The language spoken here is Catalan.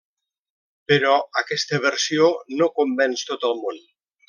Però aquesta versió no convenç tot el món.